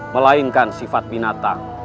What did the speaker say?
melainkan sifat binatang